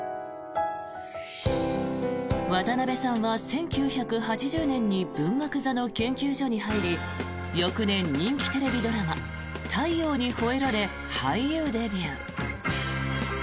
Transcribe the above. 渡辺さんは１９８０年に文学座の研究所に入り翌年、人気テレビドラマ「太陽にほえろ！」で俳優デビュー。